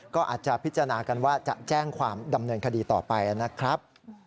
ก็อาจจะพิจารณากันว่าจะแจ้งความดำเนินคดีต่อไปนะครับ